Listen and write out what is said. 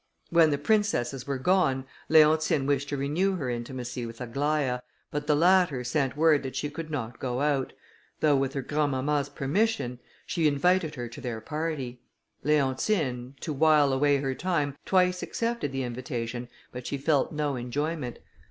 When the princesses were gone, Leontine wished to renew her intimacy with Aglaïa, but the latter sent word that she could not go out; though with her grandmamma's permission, she invited her to their party. Leontine, to while away her time, twice accepted the invitation, but she felt no enjoyment.